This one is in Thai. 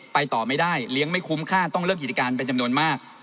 ไปต่อไม่ได้เลี้ยงไม่คุ้มค่าต้องเลิกกิจการเป็นจำนวนมาก